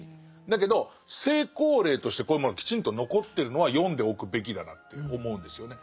だけど成功例としてこういうものきちんと残ってるのは読んでおくべきだなって思うんですよね。